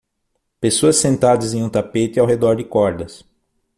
Pessoas sentadas em um tapete ao redor de cordas.